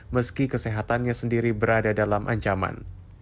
meski kesehatannya sendiri berada dalam ancaman